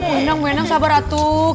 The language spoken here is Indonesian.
wenang wenang sabar atuk